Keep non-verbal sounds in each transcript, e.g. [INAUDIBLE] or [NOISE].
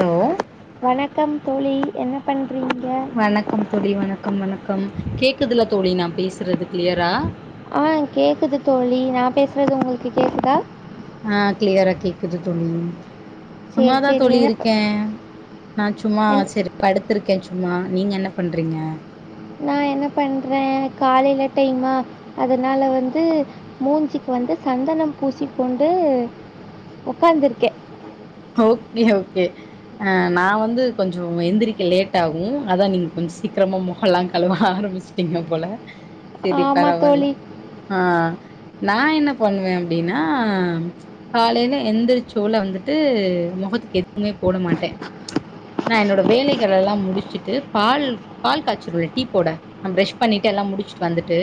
hello வணக்கம் தோழி என்ன பண் வணக்கம் தோழி வணக்கம் வணக் கம் கேக்குதுல தோழி நா பேசுறது கிளியரா ஆஹ் கேக்குது தோழி நா பேசுறது உங்களுக்கு கேக்குதா ஆஹ் கிளியரா கேக்குது தோழி சரி சும்மாதா சரி தோழி என்ன ப- இருக்கே நா சும்மா என் செரி படு த்துருக்கே சும்மா நீங்க என்ன பண்றீங்க நா என்ன பண்றே காலைல டைமா அதனால வந்து மூஞ்சிக்கு வந்து சந்தனம் பூசிக்கொண்டு உக்காந்துருக்கே ஓகே ஓகே அஹ் நா வந்து கொஞ்சோ எந்திரிக்க லேட் ஆகு அதா நீங்க கொஞ்ச சீக்கிரமா மொகல்லா கழுவ ஆரம்பிச்சிடீங்க போல செரி ஆமாம் பரவால்ல தோழி ஆஹ் நா என்ன பண்வே அப்டினா காலைல எந்திரிச்சோல வந்து ட்டு முகத்துக்கு எதுவுமே போட மாட்டே நா என்னோட வேலைகளல்லா முடிச்சுட்டு பால் பால் காய்ச்சிடுவே டீ போட நா ப்ரஷ் பண்ணிட்டு எல்லா முடிச்சுட்டு வந்துட்டு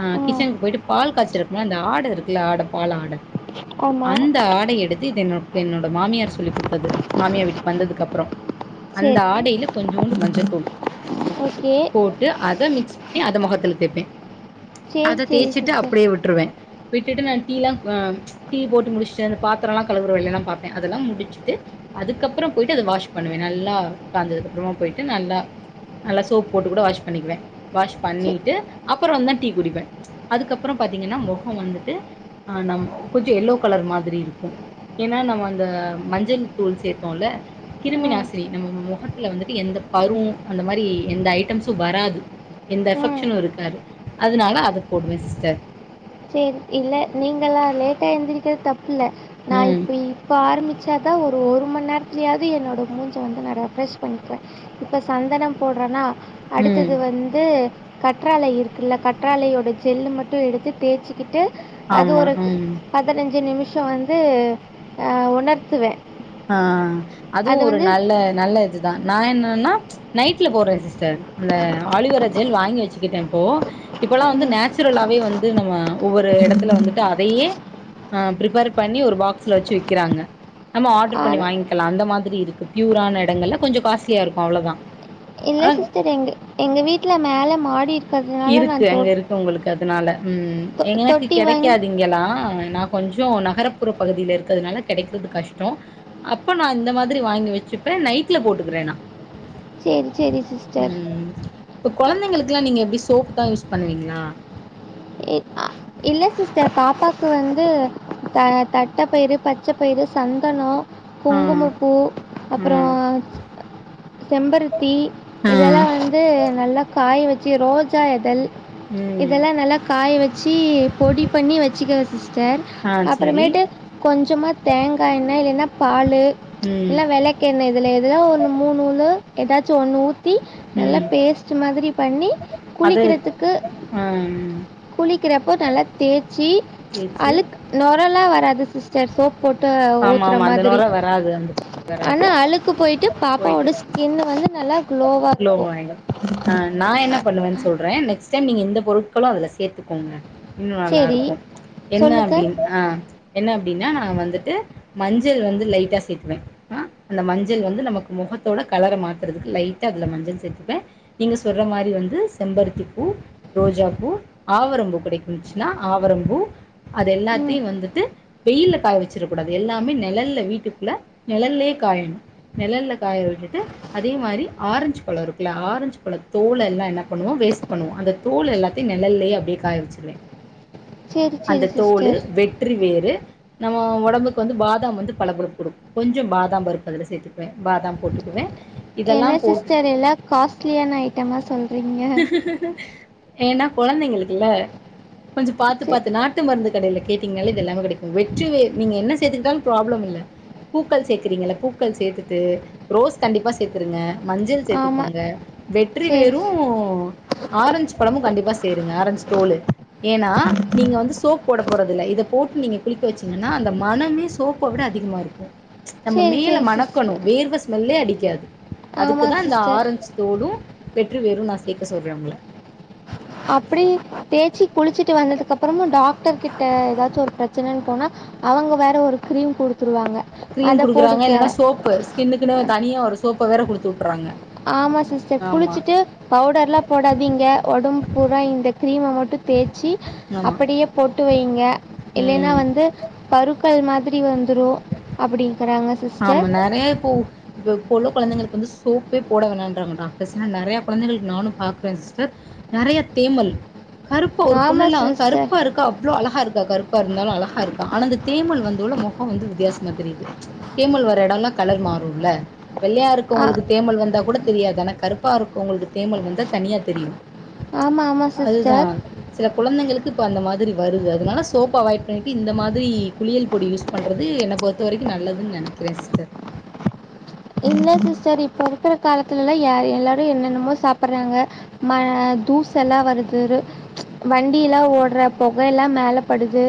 ஆஹ் ஆ கிச்சனுக்கு போயிட்டு பால் காய்ச்சறப்போ அந்த ஆட இருக்குல்ல ஆட பால் ஆட ஆமாம் அந்த ஆடை எடுத் து இத என்னோ என்னோட மாமியார் சொல்லிக் குடுத்தது மாமியா வீட்டுக்கு வந்ததுக்கு அப்புறோ அந்த சரி ஆடையில கொஞ்சோண்டு மஞ்சத்தூள் ஓகே போட்டு அத மிக்ஸ் பண்ணி அத மொகத்துல தேப்பே சரி அத சரி தேய்ச்சுட்டு சிஸ்டர் அப்டியே விட்ருவே விட்டுட்டு நான் டீலா ஆ டீ போட்டு முடிச்சுட்டு அந்த பாத்திரோலா கழுவுற வேலையல்லா பாப்பே அதெல்லா முடிச்சிட்டு அதுக்கப்றோ போயிட்டு அத வாஷ் பண்ணுவே நல்லா காஞ்சதுக்கு அப்றமா போயிட்டு நல்லா நல்லா சோப் போட்டு கூட வாஷ் பண்ணிக்குவே வாஷ் சரி பண்ணிட்டு அப்புறோ வந்துதா டீ குடிப்பே அதுக்கப்றோ பாத்தீங்கன்னா மொகோ வந்துட்டு ஆ நம் கொஞ்சோ எல்லோ கலர் மாதிரி இருக்கு ஏன்னா நம் ம அந்த மஞ்சள் தூள் சேத்தோல்ல கிருமி ம் நாசினி நம்ம மொகத்துல வந்துட்டு எந்த பரு அந்த மாரி எந்த ஐட்டம்ஸு வராது எந்த ம் எபக்ஷனு இருக்காது அதனால அத போடுவே சிஸ்டர் சேரி இல்ல நீங்கல்லா லேட்டா எந்திரிக்கிறது தப் பில்ல நா ம் இப்ப இப்ப ஆரம்பிச் சாதா ஒரு ஒரு மணி நேரத்துலயாவது என்னோட மூஞ்ச வந்து நா ரெஃப்ரெஷ் பண்ணிப்பே இப்போ சந்தனம் போடுறன்னா ம் அடுத்தது வந்து கற்றாழை இருக்குல்ல கற்றாழையோட ஜெல்லு மட்டு எடுத்து தேச்சு ட்டு அது ஆமா ஒரு ம் பதினஞ்சு நிமி ஷோ வந்து ஆ உலர்த்துவே ஆ அதுவு ஒரு நல்ல நல்ல இதுதா நா என்னனா நைட்ல போட்றே சிஸ்டர் அந்த ஆலுவேரா ஜெல் வாங்கி வச்சுக்கிட்டே இப்போ இப்போல்லா வந்து நேச்சுரலாவே வந்து நம்ம ஒவ்வொரு எடத்துல வந்துட்டு அதையே ஆ ப்ரிப்பேர் பண்ணி ஒரு பாக்ஸ்ல வச்சு விக்கிறாங்க நம்ம ஆர்டர் பண்ணி வாங்கிக்கலா அந்த மாதிரி இருக்கு பியூரான இடங்கள்ல கொஞ்சம் காஸ்ட்லியா இருக்கு அவ்ளவுதா இல்லை சிஸ்டர் எங்க எங்க வீட்டல மேலே மாடி இருக்கிறதுனால இருக்கு நான் அங்க தோட்ட இருக்கு உங்களுக்கு அதனால உம் எங்களுக்கு கிடைக்காது இங்களா நா கொஞ்சம் நகர்புற பகுதியில இருக்கிறதுனால கிடைக்கிறது கஷ்டம் அப்ப நான் இந்த மாதிரி வாங்கி வச்சுப்பேன் நைட்ல போட்டுக்கிறே நா சரி சரி சிஸ்டர் ம் இப்ப குழந்தைங்களுக்கெல்லாம் நீங்க எப்படி சோப்பு தான் யூஸ் பண்ணுவீங்களா இல்ல சிஸ்டர் பாப்பாக்கு வந்து தட்டை பயிறு பச்சை பயிறு சந்தனம் ஆ குங்குமப்பூ அப்புறம் ம் செம்பருத்தி ஆ இதெல்லாம் வந்து நல்லா காய வச்சு ரோஜா எதல் ம் இதெல்லாம் நல்லா காய வச்சு பொடி பண்ணி வச்சுங்க சிஸ்டர் ஆ சேரி அப்பறமெட்டு கொஞ்சமா தேங்கா என்னை இல்லனா பாலு ம் இல்லனா விளக்கெண்ணை இதுல எதுனா ஒண்ணு மூணுல ஏதாச்சு ஒன்னு ஊத் தி நல்லா ம் பேஸ்ட் மாதிரி பண்ணி அது குளிக்கிறதுக்கு ஆ குளிக்கிறப்போ நல்லா தேச் தேச்சி தேச்சு அலுக் நொரலா வராது சிஸ்டர் சோப் போட்டு ஆமா ஊத்துற ஆமா அந்த மாதிரி நொற வராது அந்த பொ வராது ஆனா அழுக்கு போயிட்டு பாப்பாவோட ஸ்கின் வந்து நல்லா க்ளோவாக க்லோ இருக்கும் ஆயிடும் ஆஹ் நான் என்ன பண்ணுவேன்னு சொல் மேன் நெக்ஸ்டைம் நீங்க இந்த பொருட்களும் அதுல சேர்த்துக்கோங்க இன்னும் நல்லா சரி இருக்கும் என்ன சொல்லுங்க அப்படின்னு என்ன அப் அப்படினா நா வந்துட்டு மஞ்சள் வந்து லைட்டா சேர்த்டுவேன் அந்த மஞ்சள் வந்து நமக்கு முகத்தோட கலர பாக்குறதுக்கு லைட்டா மஞ்சள் சேர்த்துப்பே நீங்க சொல்ற மாதிரி வந்து செம்பருத்தி பூ ரோஜா பூ ஆவரம்பூ கிடைக்கும்னுச்சுனா ஆவரம்பூ அது ம் எல்லாத்தையும் வந்துட்டு வெயில்ல காய வச்சுடக்கூடாது எல்லாமே நிழல்ல வீட்டுக்குள்ள நிழல்ல காயணும் நிழ காய விட்டுட்டு அதே மாதிரி ஆரஞ்சு பழம் இருக்குல ஆரஞ்சு பழ தோலை எல்லாம் என்ன பண்ணுவோம் வேஸ்ட் பண்ணுவோம் அந்த தோல் எல்லாத்தையும் நிழல்லலேயே அப்படியே காய வச்சுருவேன் சரி சரி அந்த தோல் சிஸ்டர் வெற்றி வேரு நம்ம உடம்புக்கு வந்து பாதாம் வந்து பலகொழுப்பு கொடுக்கும் கொஞ்சம் பாதாம் பருப்பு அதுல சேர்த்துக்குவேன் பாதாம் போட்டுக்குவேன் என்ன இதெல்லாம் போட்டு சிஸ்டர் எல்லாம் காஸ்ட்லியான ஐட்டமா சொல் ஹ்ஹ் ஏன்னா குழந்தைங்களுக்குல்ல கொஞ்சம் பார்த்து சரி பார்த்து நாட்டு மருந்து கடையில கேட்டீங்கன்னாலே இது எல்லாமே கிடைக்கும் வெற்றிவேரு நீங்க என்ன சேர்த்துக்கிட்டாலும் ப்ராப்ளம் இல்ல பூக்கள் சேர்க்குறீங்க பூக்கள் சேர்த்துட்டு ரோஸ் கண்டிப்பா சேர்த்துருங்க மஞ்சள் ஆமாம் சேர்த்துக்கோங்க வெற்றி சரி வேறும் ஓ ஆரஞ்சு பழமும் கண்டிப்பா சேருங்க ஆரஞ்சு தோல் ஏன்னா நீங்க வந்து சோப் போட போறதுல்ல இத போட்டு நீங்க குளிக்க வச்சீங்கன்னா அந்த மனமே சோப்பை விட அதிகமா இருக்கும் நம்ம சரி மேல சரி மணக்கணும் சிஸ்டர் வேர்வ ஸ்மெல்லே அடிக்க அடிக்காது ஆமாம் அதுக்குதான் இந்த சிஸ்டர் ஆரஞ்சு தோலும் வெறும் நான் சேர்க்க சொல்றேன் உங்கள அப்படி தேச்சி குளிச்சிட்டு வந்ததுக்க அப்புறமும் டாக்டர் கிட்ட ஏதாச்சும் ஒரு பிரச்சனன்னு போனா அவங்க வேற ஒரு கிரீம் குடுத் கிரீம் குடுக்குறாங்க இல்லன்னா சோப்பு ஸ்கின்னுக்குன்னு தனியா ஒரு சோப்ப வேற குடுத்து விட்றாங்க ஆமா சிஸ்டர் குளிச்சுட்டு பவுடர் எலாம் போடாதீங்க ஒடம்பு பூரா இந்த கிரீம் மட்டும் தேச்சி ஆமா அப்படியே போட்டு வைங்க இல்லைன்னா ம் வந்து பருக்கல் மாதிரி வந்துரும் அப்படி ஆமா நரையா இப்போ இப்ப உள்ள கொழந்தைங்களுக்கு வந்து சோப்பே போட வேணன்றாங்க டாக்டர்ஸ் ஏன்னா நெறைய கொழந்தைகளுக்கு நானும் பாக்குறேன் சிஸ்டர் நெறைய தேமல் கருப்பா ஒரு பொண்ணு ஆமாம் எல்லாம் சிஸ்டர் கருப்பா இருக்க அவ்வளோ அழகா இருக்கு கருப்பா இருந்தாலும் அழகா இருக்கா ஆனா அந்த தேமுல் வந்து முகம் வந்து வித்தியாசமா தெரியுது தேமல் வர்ற எடம்லாம் கலர் மாறும்ல வெள்ளையா ஆ இருக்குறவங்களுக்கு தேமல் வந்தா கூட தெரியாது ஆனா கருப்பா இருக்கவங்ளுக்கு தேமல் வந்த தனியா தெரியு ஆமா ஆமா சிஸ்டர் அதுதான் சில குழந்தைங்களுக்கு இப்ப அந்த மாரி வருது அதனால சோப் அவாய்ட் பண்ணிட்டு இந்த மாரி குளியல் பொடி யூஸ் பண்றது என்ன பொறுத்த வரைக்கு நல்லதுன்னு நெனக் கிற சிஸ்டர் இல்ல சிஸ்டர் இப்ப இருக்கிற காலத்துலலா யார் எல்லாரு என்னனமோ சாப்பிறாங்க ம தூசெல்லா வர்து வண்டிலா ஓடுற பொகலா மேலபடுது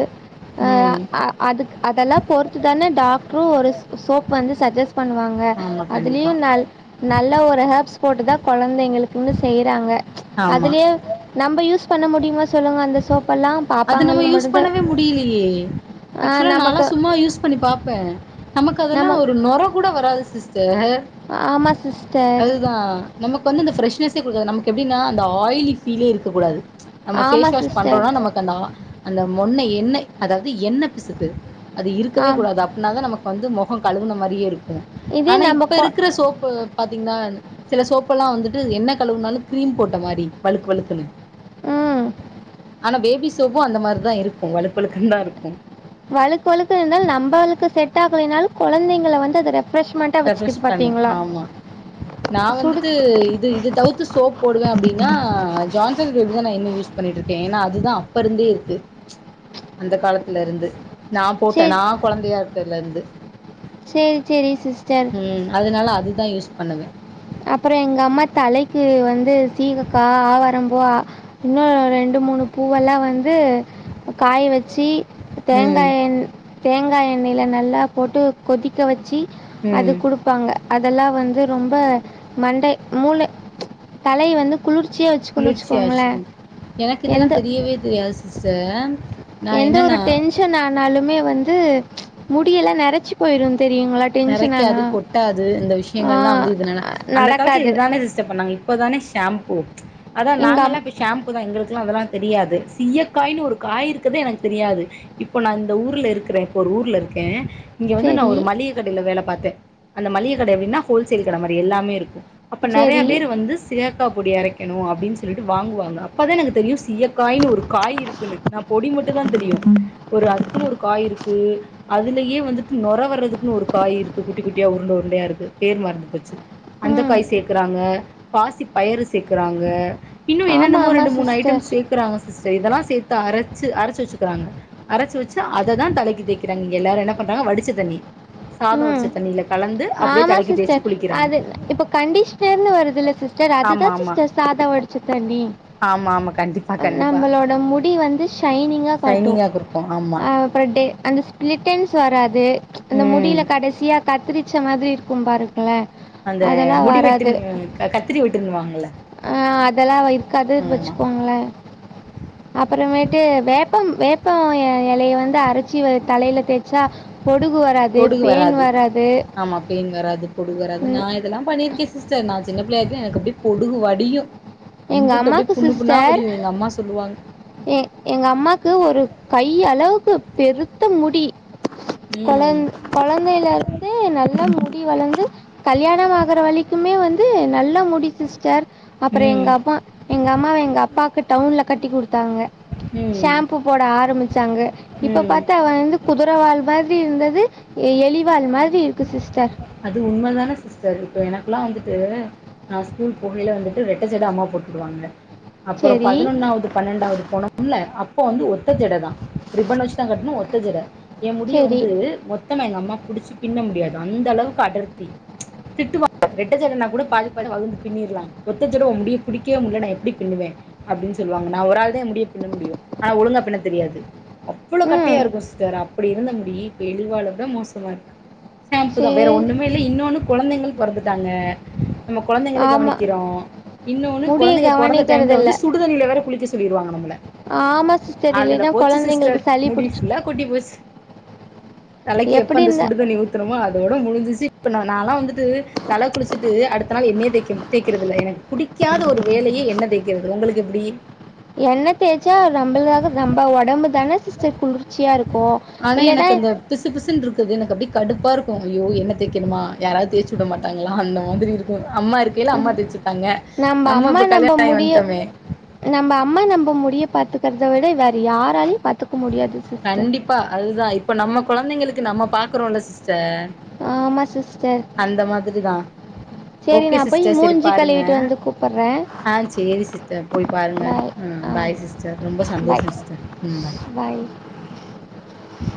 ம் அஹ் அது அதெலா பொறுத்துதான டாக் ஒரு சோப் வந்து சஜெஸ் பண்ணுவாங்க ஆமா அதுலயு கண்டிப்பா நல் நல் எல்லாம் ஒரு ஹேப்ஸ் போட்டு தா கொழந்தைகளுகுனு செய்றாங்க ஆமா அதுலய நம்ம யூஸ் பண்ண முடியுமா சொல்லுங்க அந்த சோப் அது நம்ம யூஸ் பண்ணவே முடியிலேயே ஆ ஆக்ச்வலா நானா நமக்கு சும்மா யூஸ் பண்ணிப்பா பேன் நமக்கு அதெலா நமக் ஒரு நொர கூட வராது சிஸ்டர் ஆமா சிஸ்டர் வந்துந்த பிரெஷ்னசே குடுகாது நமகு எப்டினா அந்த ஆயிலி பீலே இருக்க கூடாது நம்ம ஆமா பேஸ் வாஷ் சிஸ்டர் பண்றோனா நமக் ஆஹ் அந்த மொன்ன எண்ணெய் அதாது எண்ண பிசுக்கு அது இருக்கவே ஆம் கூடாது அப்ட்னா தா நமக்கு வந்து முக கலுவுன மாரி இருக்கு இதே ஆனா நம்ப இப்ப கொ இருக்ற சோப்பு பாதீங்னா சில சோப்லாம் வந்துடு என்ன கலுவுனாலு கிரீம் போட்ட மாரி வலுக் வலுக்னு ம் ஆனா பேபி சோபும் அந்த மாரிதா இருக்கு வலுக் வலுக்னு தா இருக்கு வலுக் வலுக் இருந்தால் நமளுக்கு செட் ஆகலைனாளு கொலந்தைகல வந்து அது ரெப் ரெப்ரஸ் பண்ண ஆமா நா சுடு வந்துடு இது இது தவிர் சோப் போடுவ அப்டினா ஜான்சன் பேபி தா நா இனும் யூஸ் பண்ணிடு இர்க்கே ஏனா அதுதா அப்ப இருந்தே இருக்கு அந்த காலதுல இருந்து நா போட்ட சரி நா கொலந்தையா லந்து செரி-செரி உஹம் அதனால அது தா யூஸ் பணுவே அப்புறம் எங்க அம்மா தலைக்கு வந்து சீகக்காய் ஆவாரம்பூ இன்னும் ரெண்டு மூணு பூவெல்லாம் வந்து காய வச்சு சி ம் தேங்காயண் தேங்காய் எண்ணெயில் நல்லா போட்டு கொதிக்க வச்சு அது ம் குடுப்பாங்க அதெல்லாம் வந்து ரொம்ப மண்டை மூ தலை வந்து குளிர்ச்சியாக வச்சுக்கணும்னு வச்சுக்கோங்களேன் குளிர்ச்சிாச்சுக்க எனக்கு இதெல்லாம் எந்த தெரியவே தெரியாது ச எந்த ஒரு டென்ஷன் ஆனாலுமே வந்து முடியலை நிறச்ச நிறைக்காது கொட்டாது இந்த ஆ, விஷயங்கள் எல்லாம் வந்து இதனால அந்த காலத்துல நடக்காது இதுதானே சிஷ்டை பண்ணாங்க இப்போ தானே ஷாம்பூ அதான் எங்க அம் நாங்கல்லாம் இப்ப ஷாம்பு தான் எங்களுக்கு அதெல்லாம் தெரியாது சீயக்காய்னு ஒரு காய் இருக்குறத எனக்கு தெரியாது இப்ப நான் இந்த ஊர்ல இருக்கிறேன் இப்ப ஒரு ஊர்ல இருக்கேன் இங்க வந்து நான் சரி ஒரு மளிகை கடையில வேலை பார்த்தேன் அந்த மளிகை கடை எப்படின்னா ஹோல்சேல் கடை மாதிரி எல்லாமே இருக்கும் அப்ப நிறைய சரி பேரு வந்து சிகக்காப்படியரைக்கு ணும் அப்படின்னு சொல்லிட்டு வாங்குவாங்க அப்பதான் எனக்கு தெரியும் சீயக்காயு ஒரு காய் இருக்குன்ன நான் பொடி மட்ட தான் தெரியும் ஒரு அதுக்கு அதுக்குன்னு ஒரு காய் இருக்கு அதுலயே வந்துட்டு நொர வர்றதுக்குன்னு ஒரு காய் இருக்கு குட்டி குட்டியா உருண்ட உருண்டையா இருக்கு பேர் மருந்து போச்சு அந்த ம் காய் சேர்க்கறாங்க பாசி பயர் சேர்க்கறாங்க இன்னும் ஆமாம் என்னன்னோ ரெண்டு ஆமாம் மூணு ஐட்டம் சிஸ்டர் சேக்றாங்க சிஸடர் இதெல்லாம் சேர்த்து அரைச்சு அரைச்சு வச்சுக்காங்க அரைச்சு வச்சு அத தான் தலைக்கு தேக்கிறாங்க எல்லாரும் என்ன பண்றாங்க வடிச் டிச்ச தண்ணி சாதம் வடிச்ச தண்ணி இல ஆமா சிஸ்டர் அது இப்ப கண்டிஷனர்ன்னு வருது இல்ல சிஸ்டர் ஆமா அதுதான் ஆமா சிஸ்டர் சாதம் வடிச்ச தண்ணி ஆமா ஆமா கண்டிப்பா கண்டிப்பா நம்மளோட முடி வந்து ஷைனிங்கா காட்டும் ஷைனிங்கா குடுக்கு ஆமா ஆஹ் அப்பறம் டே அந்த ஸ்பிலிட்டன்ஸ் வராது அந்த ம் முடியில கடைசியா கத்ரி பிச்ச மாதிரி இருக்கும் பாருக்குல அந்த முடி வெட்டின் கத்திரி வெட் டுனு வாங்கள ஆஹ் அதெல்லாம் இதுக்கது வச்சுக்குவாங்களன் அப்பறமேட்டு வேப்பம் வேப்ப ய [UNINTELLIGIBLE] நிலையை வந்து அரைச்சி தலையில தேய்ச்சா பொடுகு வராது பொடுகு பேன் வராது கொடுக்குறது ம் நான் இதெல்லாம் பண்ணியிருக்கேன் சிஸ்டர் நான் சின்ன பிள்ளையா இருக்கைல எனக்கு அப்படியே பொடுகு வடியும் எங்க அம்மாக்கு சிஸ்டர் சொல்லுவாங்க எங்க அம்மாக்கு ஒரு கை அளவு பெருத்த முடி குழ ம் குழந்தையில இருந்தே நல்ல முடி வளர்ந்து கல்யாணம் ஆகற வரைக்குமே வந்து நல்ல முடி சிஸ் டர் அப்பறம் ம் எங்க எங்க அம்மாவ எங்க அப்பாவுக்கு டவுன்ல கட்டி குடுத்தாங்க ம் ஷாம்பு போட ஆரம்பிச்சாங்க இப்ப ம் பார்த்த அவன் வந்து குதிரை வால் மாரி இருந்தது எலிவால் மாதிரி இருக்கு சிஸ்டர் இப்போ எனக்குல்லாம் வந்துட்டு நா ஸ்கூல் போகையில வந்துட்டு ரெட்டை ஜடை அம்மா போட்டுவிடுவாங்க அப்பறம் சரி பதினொன்னாவது பன்னெண்டாவது போனோம்ல இப்ப வந்து ஒத்த ஜட தான் ரிப்பண் வச்சு தான் கட்டனும் ஒத் ஒத்தஜடை என் முடிய சரி வந்து மொத் தாம அம்மா புடிச்சு பின்ன முடியாது அந்த அளவுக்கு அடர்த்தி திட்டுவாங்க ரெட்ட ஜடைன்னா கூட பாதி பாதி வகுந்து பின்னிடுவாங்க ஒத்த ஜடை முடிய பிடிக்கவே முடியல நா எப்படி பின்னூவ அப்படின்னு சொல்லுவாங்க நான் ஒரு ஆள் தான் முடிய பின்ன முடியும் ஆனா ஒழுங்கா பின்ன தெரியாது அவ்வளவு கட்டையா ம் இருக்கும் சிஸ்டர் அப்படி இருந்த முடி எலி வாலு விட மோசம் சுமார் ஷாம்பு தான் வேற சரி ஒண்ணுமே இல்ல இன்னொன்னு குழந்தைங்கள் பிறந்துட்டாங்க நம்ம குழந்தங்களு ஆமாம் கவனிக்கிறோம் இன்னொன்னு முடியை குழந்தைங்க பொறந்த கவனிக்கிறது டைம்ல இல்ல வந்து சுடுதண்ணில வேற குளிக்க சொல்லிருவாங்க நம்மள ஆமாம் சிஸ்டர் அதுல இல்லைன்னா போச்சு சிஸ்டர் குழந்தைங்களுக்கு சளி முடி பிடிச்சி புல்லா கொட்டி போச்சு தலைக்கு எப் எப்படி அந்த இருந்தா சுடுதண்ணி ஊத்தரம்மோ அதோட முடிஞ்சிச்சு இப்ப நா நாலாம் வந்துட்டு தல குளிச்சுட்டு அடுத்த நாள் என்னயே தேக் தேய்க்கறதுதில்ல எனக்கு புடிக்காத ஒரு வேலயே என்ன தேய்க்கிறது உங்களுக்கு எப்டி என்ன தேய்ச்சா நம்மளுக்காக நம்ம உடம்பு தானே சிஸ்டர் குளிர்ச்சியா இருக்கும் ஆனா இல்லைன்னா எனக்கு அந்த பிசு பிசுன்னு எனக்கு அப்டே கடுப்பா இருக்கும் அயோ என்ன தேய்கனுமா யாராவது தேய்ச்சி விட மாட்டாங்களா அந்த மாதிரி இருக்கும் அம்மா இருக்கய்ல அம்மா தேய்ச்சி நம்ப அம்மா நம்ப முடிய நம்ப அம்மா நம்ப முடிய பாத்து இருக்கிறத விட வேற யாராலையும் பாத்துக்க முடியாது சிஸ்டர் ப்ப நம்ம குழந்தங்களுக்கு நம்ப பாக்குறோம்ல சிஸ்டர் அ ஆமா சிஸ் அந்த மாதிரிதான் சரி ஓக்கே நான் போய் சிஸ்டர் சரி மூஞ்சி பாருங்க கழுவிட்டு வந்து கூப்பிட்றேன் ஆ செரி சிஸ்டர் போய் பாருங்க பாய் ம் ஆ பாய் சிஸ்டர் ரொம்ப பாய் சந்தோஷம் சிஸ்டர் உம் பாய் ஹ